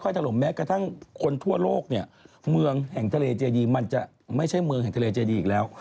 คือองค์นี้ของคนนี้องค์นี้ของคนนี่อะไรอย่างนี้ใช่ไหมครับ